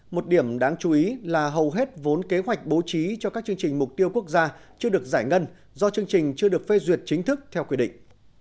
một điểm đáng chú ý là hầu hết vốn kế hoạch bố trí cho các chương trình mục tiêu quốc gia chưa được giải ngân do chương trình chưa được phê duyệt chính thức theo quy định